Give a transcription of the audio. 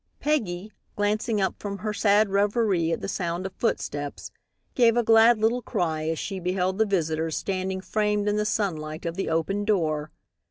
Peggy, glancing up from her sad reverie at the sound of footsteps, gave a glad little cry as she beheld the visitors standing framed in the sunlight of the open door.